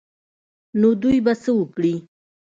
نو دوى به څه وکړي.